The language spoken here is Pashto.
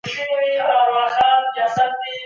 ولسي جرګه به نويو وزيرانو ته د باور رايه ورکړي.